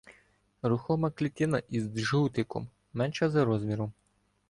Рухома клітина із джгутиком менша за розміром.